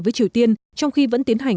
với triều tiên trong khi vẫn tiến hành